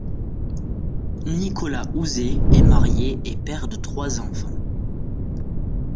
Nicolas Houzé est marié et père de trois enfants.